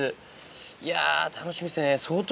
いや楽しみっすね。